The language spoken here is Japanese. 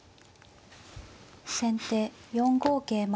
先手４五桂馬。